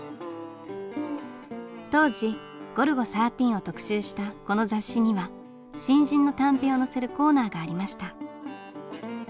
当時「ゴルゴ１３」を特集したこの雑誌には新人の短編を載せるコーナーがありました。